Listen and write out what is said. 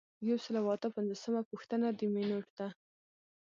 یو سل او اته پنځوسمه پوښتنه د مینوټ ده.